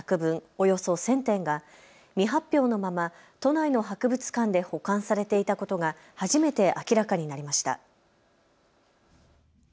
およそ１０００点が未発表のまま都内の博物館で保管されていたことが初めて明らかになりました。